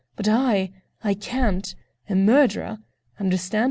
But I—I can't! A murderer!... Understand?